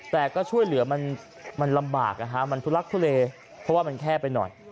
แต่ก็ช่วยเหลือมันลำบากนะฮะมันทุลักทุเลเพราะว่ามันแคบไปหน่อย